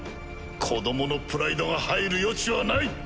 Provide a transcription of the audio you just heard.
子どものプライドが入る余地はない。